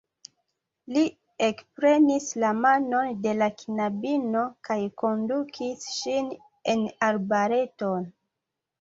Li ekprenis la manon de la knabino kaj kondukis ŝin en arbareton.